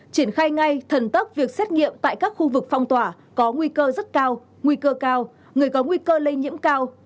triển khai ngay thần tốc việc xét nghiệm tại các khu vực phong tỏa có nguy cơ rất cao nguy cơ cao người có nguy cơ lây nhiễm cao